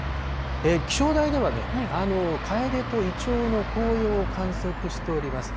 気象台ではね、カエデとイチョウの紅葉を観測しております。